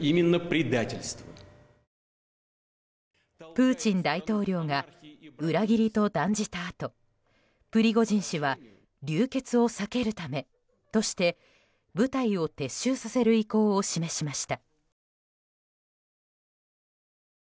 プーチン大統領が裏切りと断じたあとプリゴジン氏は流血を避けるためとして部隊を撤収させる意向を示しました。